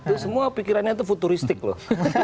itu semua pikirannya itu futuristik loh